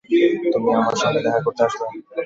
তুমি আমার সঙ্গে দেখা করতে আসবে?